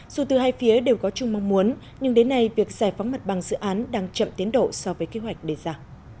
dù từ hai phía đều có chung mong muốn nhưng đến nay việc giải phóng mặt bằng dự án đang chậm tiến độ so với kế hoạch đề ra